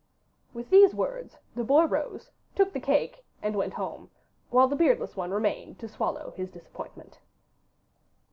With these words the boy rose, took the cake, and went home, while the beardless one remained behind to swallow his disappointment.